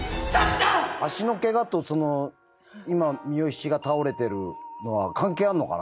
足の怪我と今三吉が倒れてるのは関係あるのかな？